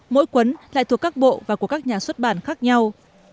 mỗi cuốn lại thuộc các bộ và của các nhà xuất bản khác nhau